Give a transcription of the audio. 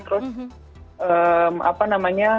terus apa namanya